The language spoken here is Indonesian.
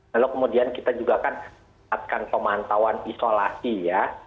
lalu kemudian kita juga akan mematikan pemantauan isolasi ya